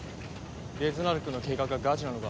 デズナラクの計画はガチなのか？